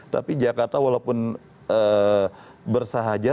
tapi jakarta walaupun bersahaja